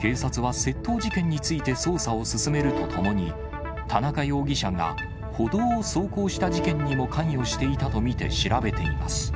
警察は窃盗事件について捜査を進めるとともに、田中容疑者が歩道を走行した事件にも関与していたと見て調べています。